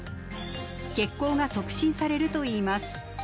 血行が促進されるといいます。